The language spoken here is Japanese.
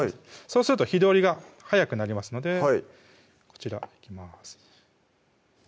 そうすると火通りが早くなりますのでこちらいきます